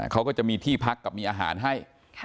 เขาก็จะมีที่พักกับมีอาหารให้